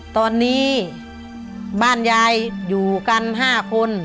ตอนนี้บ้านยายอยู่กัน๕คน